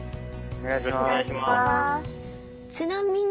お願いします！